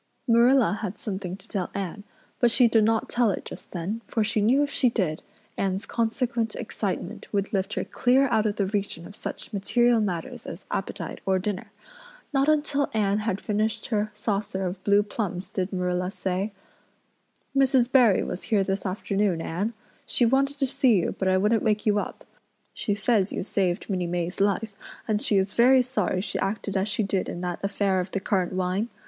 Marilla had something to tell Anne, but she did not tell it just then for she knew if she did Anne's consequent excitement would lift her clear out of the region of such material matters as appetite or dinner. Not until Anne had finished her saucer of blue plums did Marilla say: "Mrs. Barry was here this afternoon, Anne. She wanted to see you, but I wouldn't wake you up. She says you saved Minnie May's life, and she is very sorry she acted as she did in that affair of the currant wine.